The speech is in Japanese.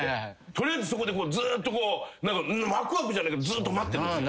取りあえずそこでずっとこうわくわくじゃないけどずっと待ってるんですよ。